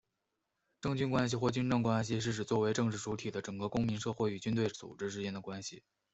政军关系或军政关系是指作为政治主体的整个公民社会与军队组织之间的关系。